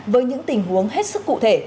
với những tình huống hết sức cụ thể